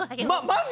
マジ？